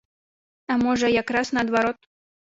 А можа, якраз наадварот.